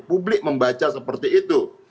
publik membaca seperti itu